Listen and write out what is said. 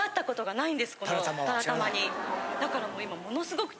だから。